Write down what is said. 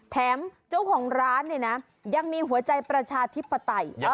แถมเจ้าของร้านเนี่ยนะยังมีหัวใจประชาธิปไตย